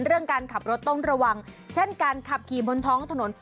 เรื่องการขับรถต้องระวังเช่นการขับขี่บนท้องถนน